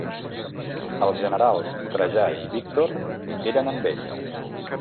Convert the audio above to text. Els generals Trajà i Víctor eren amb ell.